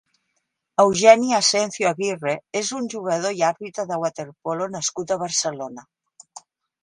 Eugeni Asencio Aguirre és un jugador i àrbitre de waterpolo nascut a Barcelona.